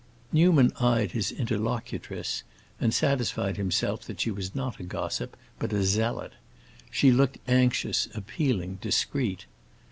Newman eyed his interlocutress and satisfied himself that she was not a gossip, but a zealot; she looked anxious, appealing, discreet.